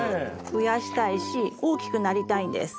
増やしたいし大きくなりたいんです。